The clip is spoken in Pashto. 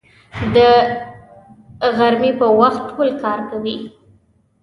د غرمې په وخت ټول کار کوي